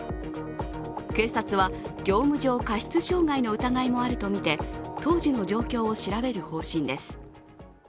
警察は業務上過失傷害の疑いもあるとみて当時の状況を調べる方針です。